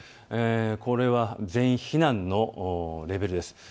これは全員避難のレベルです。